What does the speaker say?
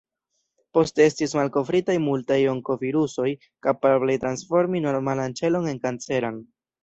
Poste estis malkovritaj multaj onkovirusoj, kapablaj transformi normalan ĉelon en kanceran.